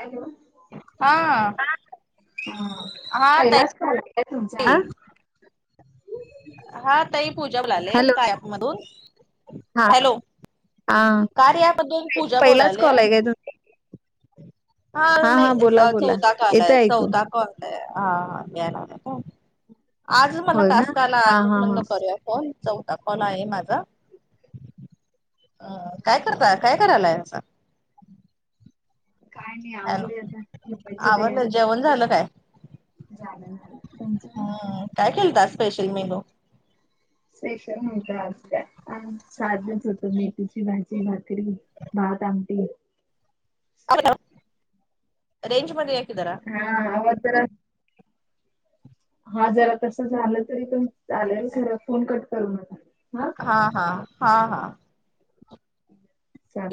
Hello हा ह हा पहिलाच कल्टी आहे ताई तुमच्या हा तही पूजाव लाले हॅलो कायप मधून हा हॅलो हा कार या बदून पूजा बोलाले तु हा नाही बोला बोला चौथा काल येतं आहे ऐकून चौथा कल हाा या्यायलाग प आज मला होय ना तासका आला हा आजच हा हा. म्हण करूया हो चौथा कॉल आहे माझा अ काय करताय काय करायलाय असं काय नाही हॅलो आवडले आता ते आवरलं जेवण झालं काय झालं तुमच. हम्म काय खेळतात स्पेशल मलो, सेश नत आज का साधच होतं मी तुझची भाजी भाातरी भात आमठी [unintelligible] रेंज मध्ये ए की जरा. [unintelligible] हा जरा तसं झालं तरी पण चालेल पण फोन कट करू नका हा हा हा हा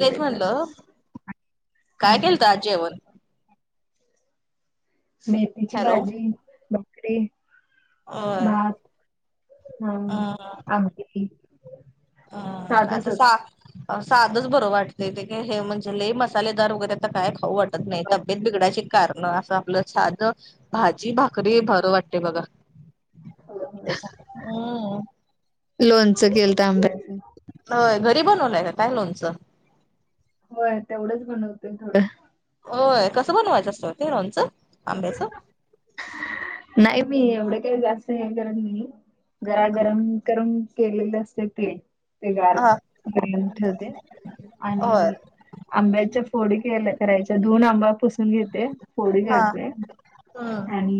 तेच म्हणलं चालतंय [inaudible] काय केलंत हम्म. आज जेवन? मेथीची हॅलो भाजी भाकरी होय हा अ आमटी अ साधच आता होत. साग सादच बरं वाटते ते हे म्हणजे लेई मसालेदार वगैरे आता काय खाऊ वाटतं नाही तब्येत बिघडाचे कारण असं आपलं साध भाजी भाकरी भरं वाटते बघा ते हम्म लोणचं केलत आंब होय घरी बनवलाय का काय लोणचं होय तेवढंच बनवते थोडं होय कसं बनवायचं असतं ते लोणचं आंब्याचं नाही मी एवढे काही जास्त हे करत नाही जरा गरम गरम केलेले असते ते हा गरम ठेवते होय आणि आंब्याच्या फोडी केल्या करायच्या दोन आंबा पुसून घेते फोडी करते हा आणि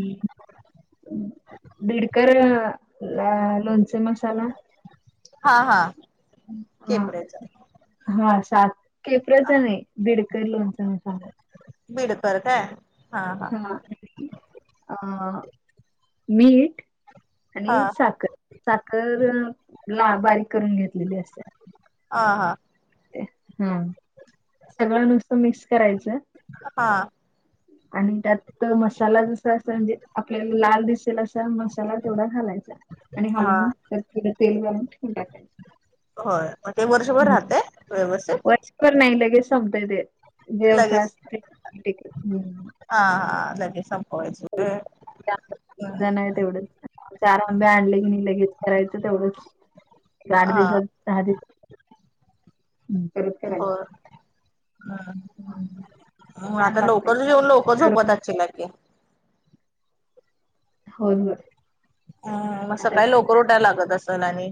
दिडकर लोणचे मसाला हा हा [inaudible] हा केपरेयचं हा सात केेपरच नाही आहे बीडकर लोणच मसाला [inaudible] बीडकर काय? हा अ मीठ हा आणि साखर साखर ला बारीक करून घेतलेली असते हा हा हम [inaudible] सगळं नुसतं मिक्स करायचं हा आणि त्यात मसाला जसा असं म्हणजे आपल्याला लाल दिसेल असा मसाला तेवढा घालायचा आणि हा हलवून त्या तेल घालून ठवून टाकायचे हो ते वर्षभर राहते व्यवस्थित प नाही लगेच समतय ते लगेच असते हा हा लगेच सपतय हम्म ण आहे तेवढंच आरमबी आणले की नाही लगेच करायचं तेवढच आठ हा दिवसात दहा दिवस करत करायचं हं. हम्म मग [inaudible] छान आता लागतंय. लवकरच येेऊन लवकर झोपवत करून असलाकि होय होय हम्म मग आता सकाळी लवकर उठायला लागतं असलं आणि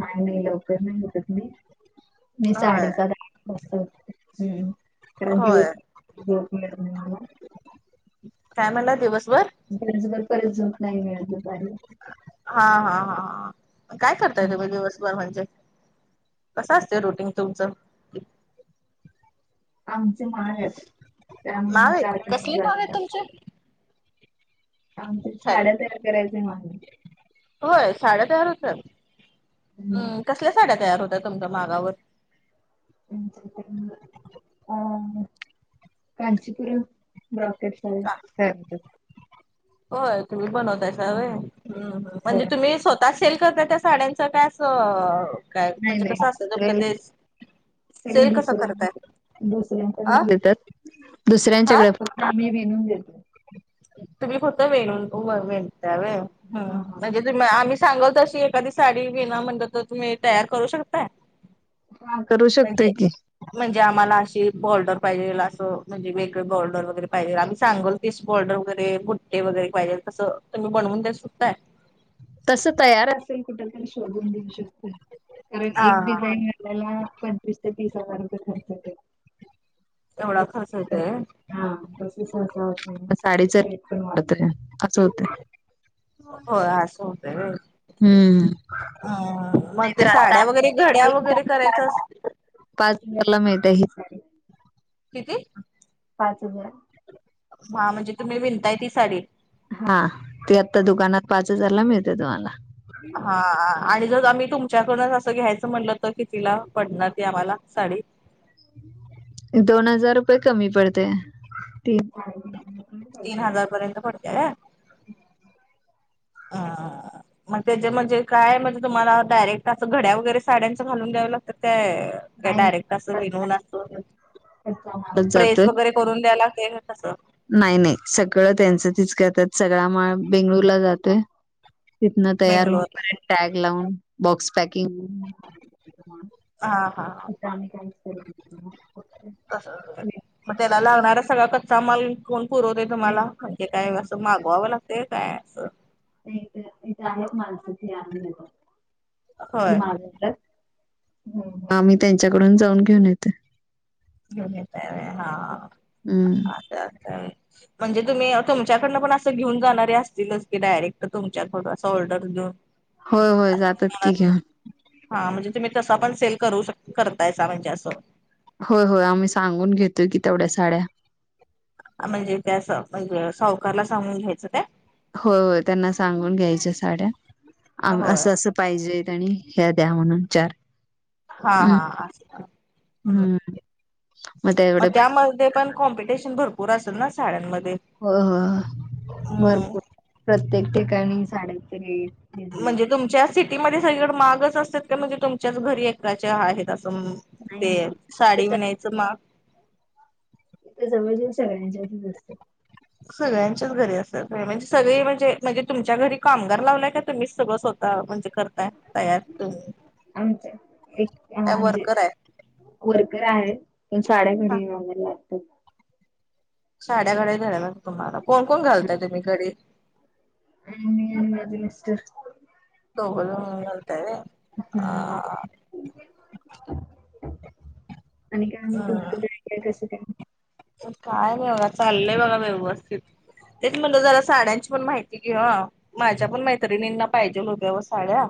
नाही नाही लवकर नाही होेतत मी मी होय साडेसात कारण होय दिवसभर झोप मिळत नाही मला [inaudible] काय म्हणाला दिवसभर चबर परतजो नाही मिळलं पाहिजे [unintelligible] हा हा हा ह काय करताय तुम्ही हं. दिवसभर म्हणजे? कसं असतय रूटीन तुमचं? आमचे माग आहेत, त्यामुळे नाव आहे गारमेंट कसले नाव घरात आहे. तुमचे आमचे साड्या तयार करायचे माग व्हय साड्या तयार होत्यात, आहेत. हम्म कसल्या साड्या तयार होतात तुमच्या मागावर? सिंथेटिक आ कांचीपुरम ब्रॉ पेशवाई असत्यात. होय तुम्ही बनवतायसा व्हय, हम्म हम्म हो म्हणजे तुम्ही स्व ता सेल करताय काय त्या साड्यांचं? काय अस काय नाही म्हणजे नाही कसं असतय तुमच सेल तेच सेल दुसऱ्यांकड, अ दुसऱ्यांकडन देतात. हा दुसऱ्यांच्याकड फक्त आम्ही विनून देतोय. तुम्ही फक्त वेणून होय विनतायं होय हम्म हा म्हणजे तु आम्ही सांगल तशी एखादी साडी विना म्हणल, तर तुम्ही तयार करू शकताय? हा करू शकतोय म्हणजे की? म्हणजे आम्हाला अशी बॉर्डर पाहिजेल, असं म्हणजे वेगळ बॉर्डर वगैरे पाहिजे आम्ही सांगल इस बॉर्डर वगैरे, बुट्टे वगैरे पाहिजे तसं, तुम्ही बनवून देवू शकताय तस तयार असेल कुठ तरी शोधून देऊ शकतोय? कारण हा एक हा डीझाईन आपल्याला पंचवीस ते तीस हजार रुपये खर्च येतोय. एवढा खर्च येतोय? हा साडीच रेट वाढतय असं होतय. होय असं होतय. हम्म अ मग ते नाहीतर आता साड्या वगैरे घड्या वगैरे करायचं आस पाच हजारला मिळतीया ही साडी किती? पाच हजार हा म्हणजे, तुम्ही विणताय ती साडी हा ती आत्ता दुकानात पाच हजारला मिळते तुम्हाला हा आणि जर आम्ही तुमच्याकड असं घ्यायचं म्हणलं, तर कितिला पडणार ती आम्हाला साडी? दोन हजार रुपये कमी पडतय तीन हजार तीन पडते. हजार पर्यंत पडतीया व्हय. आ आ मग त्याचे म्हणजे काय? म्हणजे तुम्हाला डायरेक्ट असं घड्या वगैरे साड्यांच घालून द्यावं लागतंय काय? काय नाही डायरेक्ट अस नाही. विनून अस कच्चा माल. प्रेस जातोय वगैरे करून द्यायला लागतंय काय कसं नाही नाही सगळं त्यांचं तिच करतात सगळा माल बेंगळूर ला जातोय. तीथनं तयार होऊन बेंगलोर परत टॅग लावून, बॉक्स पॅकिंग हा हा इथं आम्ही काहीच करत नाही. मग त्याला लागणारा सगळा कच्चा माल कोण पुरवतय बे तुम्हाला? म्हणजे काय असं मागवावं लागतंय काय अस? नाही इथ इथे आहेत माणस ती आणून देतात. होय महाराष्ट्रात मग आम्ही त्यांच्याकडून जाऊन घेऊन येतोय. घेऊन येताय व्हय हा हा अ. [unintelligible] म्हणजे तुम्ही तुमच्याकडनं पण असं घेऊन जाणारे असतीलच, की डायरेक्ट तुमच्याकड असं ऑर्डर देऊन व्हय व्हय असं जातात की दुकानातून. घेऊन हा म्हणजे तुम्ही तसा पण सेल करू, शक करतायसा म्हणजे असं होय होय आम्ही सांगून घेतोय की, तेवढ्या साड्या म्हणजे ते अस, म्हणजे सावकारला सांगून घ्यायचं काय? होय होय त्यांना सांगून घ्यायच्या साड्या आम्ही होय आस आस पाहिजेेत आणि ह्या द्या म्हणून चार हा हा हम्म आस, हम्म मग मग तेवढे पै त्यामध्ये पण कॉम्पिटिशन भरपूर असेल ना साड्यांमध्ये? होय होय हम्म भरपूर प्रत्येक ठिकाणी साड्यांचे रेट डिझाईन म्हणजे तुमच्या सिटीमध्ये सगळीकडे महाग च असत का म्हणजे तुमच्याच घरी एकाच्या आहेत असं नाही ते नाही इथं साडी वीनायचं माग इथ जवळच सगळ्यांच्यातच असतं. सगळ्यांच्याच घरी असाल म्हणजे सगळे म्हणजे म्हणजे तुमच्या घरी कामगार लावलंय का तुम्हीच सगळं म्हणजे करताय तयार तुम्ही आमचे एक का म्हणजे वर्कर आहे? वर्कर आहेत पण साड्या हा घडी घायला लागतात. साड्या घडी घालाया लागत तुम्हाला कोण कोण घालताय तुम्ही घडी? आणि मी माझे मिस्टर! दोघजण मिळून घालताय होय? हम्म, आणि काय तुमचं? हम्म कसं काय काय नाही बघा चाललंय बघा व्यवस्थितीत तेच म्हणलं जरा साड्यांची पण माहिती हा माझ्या पण मैत्रिणींना पाहिजे होत्या व साड्या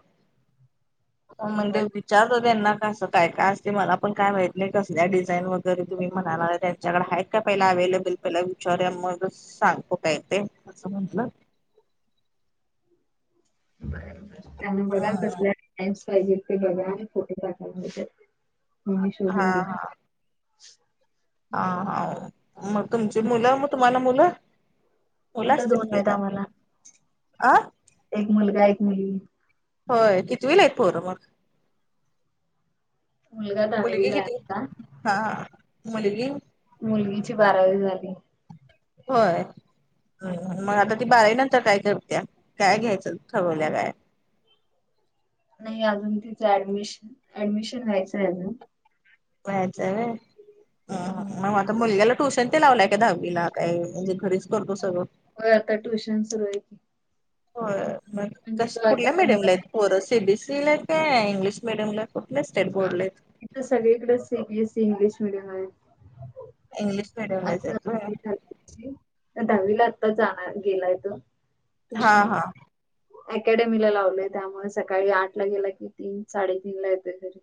म्हणजे बर विचारत होते त्यांना कसं काय का असतय. ते मला पण काय माहित नाहीय कसल्या डिझाईन वगैरे तुम्ही म्हणाला त्या त्याच्याकडे हायत का पहिला अवलेबल पहिला विचारुया मग सांगतो काय ते असं म्हटलं त्यांना बघा हम्म कसल्या टाइम्स पाहिजेत ते बघा फोटो पाठवतो त्यात. तुम्ही हा शोधून द्या. हा मग तुमची मुलं मग तुम्हाला मुलं मुल मुलं असतील दोन की आहेत आम्हाला आता? एक मुलगा एक मुलगी होय कितीवीला आहेत पोरं मग? मुलगा मुलगी दहावीला आहे आता. कितवीला आहे मुलगी? मुलगीची बारावी झाली. होय! मग आता ती बारावी नंतर काय करत्या काय घ्यायचं ठवल्या काय? नाही अजून तिचं ऍडमिशन ऍडमिशन व्हायचं आहे अजून. व्हायचंय होय, हम्म. मग आता मुलग्याला ट्यूशन ते लावलाय का दहावीला काय म्हणजे घरीच करतो सगळं? हो आता ट्युशन सुरू आहे कि. हो मग कस कुठल्या अकॅडमीला मिडमला आहे? होर सीबीएसईला का इंग्लीश मीडीयम लाठे स्टेट बोर्डला आहेत? आ हित सगळीकडें सीबीएसई इंग्लिश मिडियम आहे. इंग्लिश मिडिमलात आता आहेत होय. दहावी झाली दहावीला आत्ता जाणार गेलाय तो. हा ट्युशन हा! अकॅडमीला लावलय त्यामुळे सकाळी आठ ला गेला की तीन साडेतीनला येतोय घरी.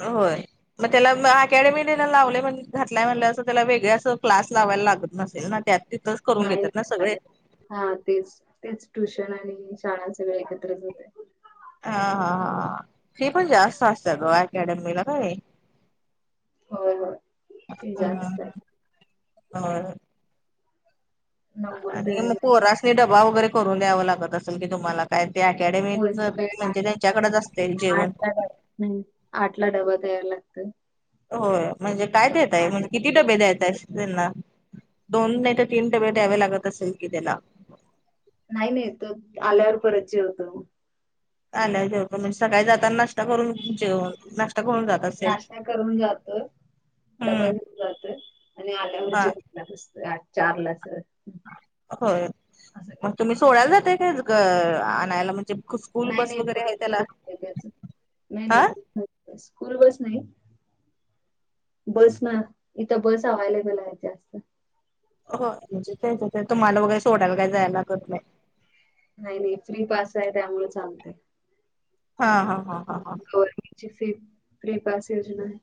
होय मग त्याला म अकॅडमी लावले म्हणजे घातलाय म्हणल्यावर असं त्याला वेगळ असं क्लास लावायला लागत नसेल ना त्यात तिथंच करून नाही घेतात ना सगळे? लागणार. हा तेच तेच ट्युशन आणि शाळा सगळं एकत्रच होतंय. हा हा हा फी पण जास्त असते गो अकॅडमीला नाय? होय होय ती जास्त आहे. होय! नव्वद आणि मग आहे. पोरास्नी डबा वगैरे करून द्यावा लागत असेल की तुम्हाला? काय ते होय अकॅडमीतन सकाळी म्हणजे आठ त्यांच्याकडेच असतय जेवण? आठला डबा. आठला डबा दयाला लागतं. होय म्हणजे काय देताय म्हणजे किती डबा डबे देताय? असं ना दोन नाही तर तीन डबे दयायावे लागतं असेल कि त्याला नाही नाही तर आल्यावर परत जेवतो आलाय जेव म्हणजे सकाळी जाताना न करून नाश्ता करून जात असेल? नाश्ता करून जातो डबा हम्म घेऊन जातो आणि आल्यावर हा जेवत चारलाच होय मग तुम्ही सोडायला जातय का आणायला म्हणजे खु स्कूल नाही बस नाही वगैरे आहे बसनं त्याला जातोय त्याचं. नाही नाही हा बसनं स्कूल बस नाही बस न इथं बस अवलेबल आहे हो म्हणजे तेच तुम्हाला वगैरे सोडायला काय जायला लागत नाही नाही नाही फ्री पास आहे त्यामुळे चालत हा हा हा हा हा फ फ्री पास योजना आहे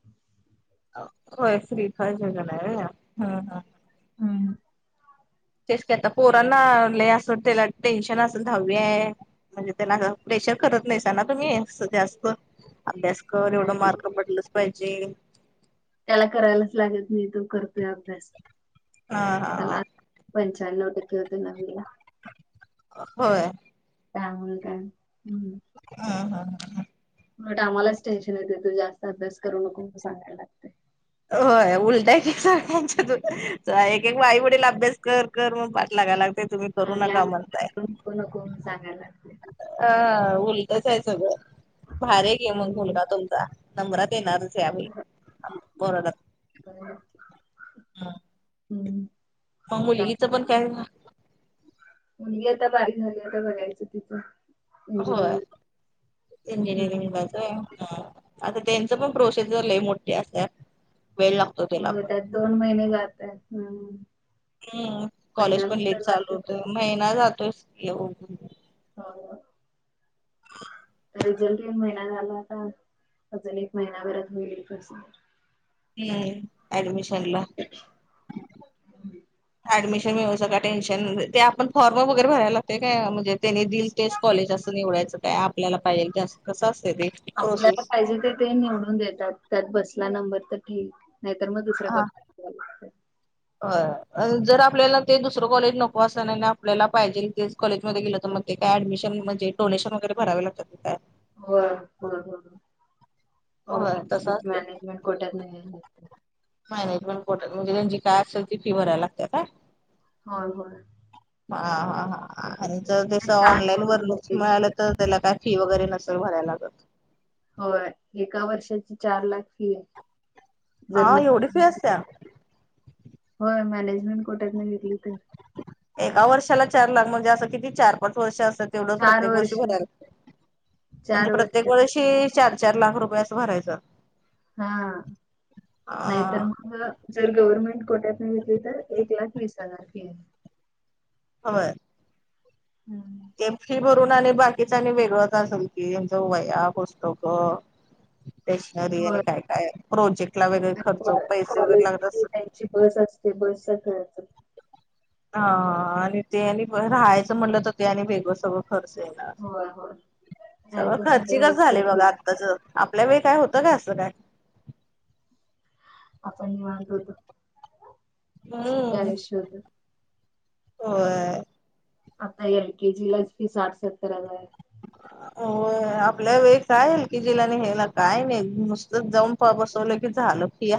व श्रीफा जगण आहे हा हा हम् ह तेच का आता पोरनाले असं त्याला टेन्शन असेल दहावी आहे म्हणजे त्यांना प्रेशर करत नाहीसाना तुम्ही जास्त अभ्यास एवढं नाही नाही मार्ग पटलच पाहिजे त्याला करायलाच लागत नाही तो करतोय अभ्यास हा त्याला हा पंचाार लाव टक्के होत नवीला होय त्याांगल का हम्म हा हा हा ह आम्हालाच टेन्शन येते तू जास्त अभ्यास करू नको सगयला लागते होय उलटाय की स्यांच्या तू एक एक आई वडील अभ्यास कर गर्म पाात लागाय लाग तुम्ही करू आणि या नका म्हणताय नक सांगायला लागले अ उलटच आहे सगळं भार घे मग भलग हम्म तुमचा नमरा देणारच आहेमही ब का हा हम्म मग मुलगीचं पण काय मुणगी आता बारीक झाली आता बघायचं तिथं हो हम्म इंजिनिअरिंग आता त्यांच पण प्रोसेसर ल मोठे असत वेळ लागतो त्याला होय पण त्यात दोन महिने जातय हम् हम्म कॉलेज पण लेट बाकी चालू होत महिना जातोयस हो ह तर रिझल्ट एक महिना झाला होता अजून एक महिनाभरात होईल कर्से हम्म ऍडमिशनला ऍडमिशन मिळू सका टेन्शन ते आपण फॉर्म वगैरे भरायला लागते काय म्हणजे त्यानी दिल तेच कॉलेज असं निवडायचं काय आपल्याला पाहिजेल की अस कसं असते ते आपल्याला प्रोसेस पाहिजे ते ते निवडून देतात त्यात बसला नंबर तर ठठीक नाही तर मग दुसर्या कॉ ह जर आपल्याला ते दुसरं कॉलेज नको असत नाही आपल्याला पाहिजे तेच कॉलेमध्ये गेलं तर मग ते का ऍडमिशन म्हणेडोशन वैर भरावे लागत ते काय हो हो हो होय तसं असतंय मॅनेजमेंट कोठत नाहीत मॅनेजमेंट बर्ट म्हणजे त्यांची काय असेल त फी भरायला लागतात का होय होय हा हा हा आणि जर त्यास ऑनलाईन वरणच मिळालं तर त्याला काय फी वगैरे नसल भरायला लागतात होय एका वर्षाची चार लाख फी आहे जर म हा एवढी फी असत्या. हो मॅनेजमेंट कोटात नाही घेतली तर एका वर्षाला चार लाख म्हणजे असं किती चार पाच वर्ष अस तेवढ चार प्रत्येक वर्षी वर्ष भरायलाग म्हणजे चार वर्ष प्रत्येक वर्षी चार चार लाख रुपया अस भरायचं हा अ नाहीतर मग जर गव्हर्नमेंट कोट्यात नाही घेतली तर एक लाख वीस हजार फी आहे हो हम्म एी भरून आणि बाकीच आणि वेगळंच असेल कीच वया पुस्तक स्टेशनरी आणि होय काय काय प्रोजेक्ट ला वगैरे खर्च पैसे वगैरे लागत कॉलेजची असत त्यांची बस असते बस सच हा आणि ते आणि राहायचं म्हणलं तर ते आणि वेगळं सगळं खर्च आहे होय होय सग राहायचं असेल तर खर्चिकच झाले हॉस्टेल बघा फी आत्ताच आपल्या वेळी काय होतं काय असं काय आपण हे मानतोतो सुख्या आश्य होत हो आता एल केजी लाच फी आठ सत्तर हजार आहे हो आपल्या वेळ कायल की जिलाने हे्यायला काय नाही नुसतंच जाऊन पवा बसरलेके जहालखी